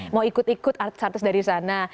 mau ikut ikut artis artis dari sana